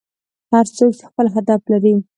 هر څوک خپل هدف لري.